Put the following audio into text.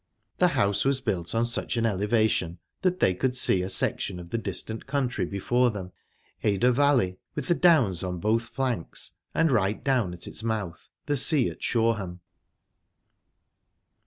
The house was built on such an elevation that they could see a section of the distant country before them Adur valley, with the Downs on both flanks, and, right down at its mouth, the sea at Shoreham.